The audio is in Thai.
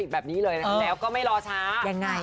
แบบนี้เลยเราก็ไม่รอช้า